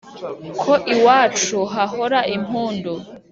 ko iwacu hahora impundu